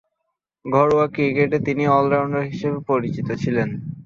ঘরোয়া ক্রিকেটে তিনি অল-রাউন্ডার হিসেবে পরিচিত ছিলেন।